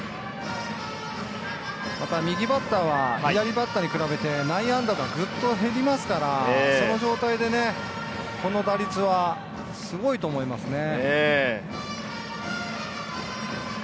また右バッターは左バッターに比べて内野安打がぐっと減りますから、その状態でこの打率は、すごいと思いますね。